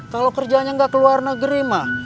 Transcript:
kalau kerjanya nggak keluar negeri mah